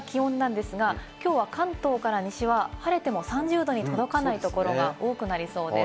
左側が気温なんですが、きょうは関東から西は晴れても３０℃に届かないところが多くなりそうです。